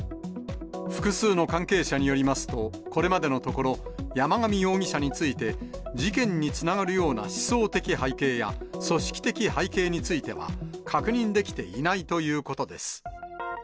複数の関係者によりますと、これまでのところ、山上容疑者について、事件につながるような思想的背景や組織的背景については、確認できていないということです。